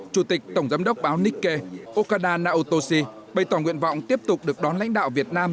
chủ tịch tổng giám đốc báo nikke okada naotoshi bày tỏ nguyện vọng tiếp tục được đón lãnh đạo việt nam